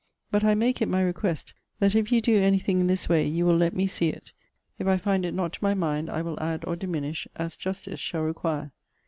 But I make it my request, that if you do any thing in this way, you will let me see it. If I find it not to my mind, I will add or diminish, as justice shall require.